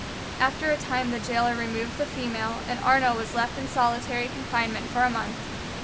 After a time the jailer removed the female, and Arnaux was left in solitary confinement for a month.